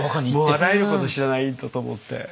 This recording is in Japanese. もうあらゆること知らないとと思って。